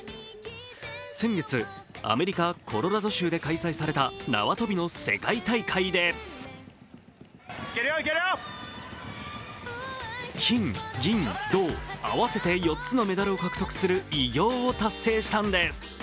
先月、アメリカ・コロラド州で開催された縄跳びの世界大会で金、銀、銅、合わせて４つのメダルを獲得する偉業を達成したんです。